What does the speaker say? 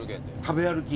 食べ歩き。